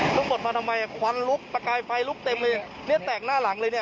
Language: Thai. ปรากฏมาทำไมอ่ะควันลุกประกายไฟลุกเต็มเลยเนี่ยแตกหน้าหลังเลยเนี่ย